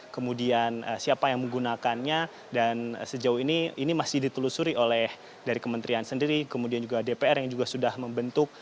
kemudian siapa yang menggunakannya dan sejauh ini ini masih ditelusuri oleh dari kementerian sendiri kemudian juga dpr yang juga sudah membentuk